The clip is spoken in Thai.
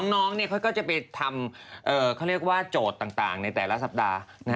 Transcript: น้องเขาก็จะไปทำเขาเรียกว่าโจทย์ต่างในแต่ละสัปดาห์